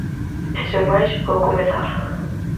E sen máis, vou comezar: